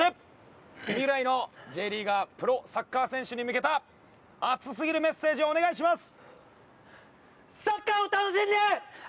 未来のＪリーガープロサッカー選手に向けた熱すぎるメッセージお願いします。